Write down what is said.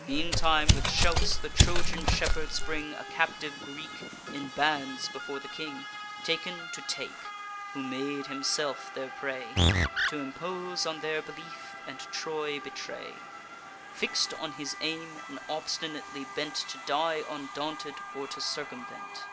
Meantime, with shouts, the Trojan shepherds bring A captive Greek, in bands, before the king; Taken to take; who made himself their prey, T' impose on their belief, and Troy betray; Fix'd on his aim, and obstinately bent To die undaunted, or to circumvent.